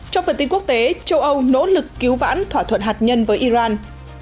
trong phần tin quốc tế châu âu nỗ lực cứu vãn thỏa thuận hạt nhân với iran